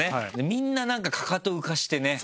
みんなかかと浮かせてね